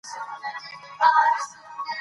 وو ریښتونی په ریشتیا په خپل بیان کي